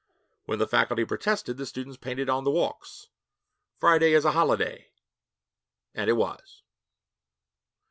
When the faculty protested, the students painted on the walks, 'Friday is a holiday' and it was.